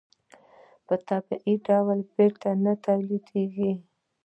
په طبیعي ډول بېرته نه تولیدېږي.